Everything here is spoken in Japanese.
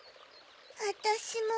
わたしも。